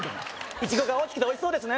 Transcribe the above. イチゴが大きくておいしそうですね